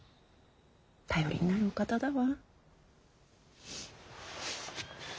頼りになるお方だわ。